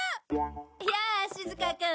やあしずかくん。